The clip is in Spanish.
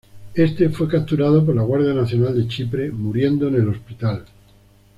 Éste fue capturado por la Guardia Nacional de Chipre muriendo en el hospital.